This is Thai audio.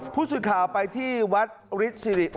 ผู้สื่อข่าวไปที่วัดฤทธิสิริ